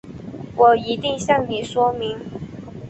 我一定向你说明